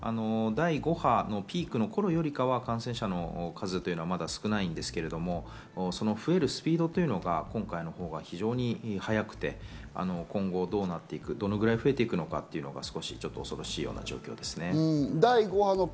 第５波のピークの頃よりかは感染者の数は少ないんですけれども、その増えるスピードが今回のほうが非常に速くて、今後どうなっていく、どのくらい増えていくのか、ちょっと恐ろしいような感じですね。